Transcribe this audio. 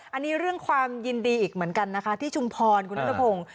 อันนี้เรื่องความยินดีอีกเหมือนกันนะคะที่ชุมพรคุณนัทพงศ์